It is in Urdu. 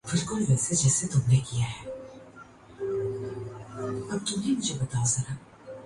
آنے کے طریقے اور کسی مسافر کودور یا نزدیک جانے پر انکار نہ کرنے کا بھی در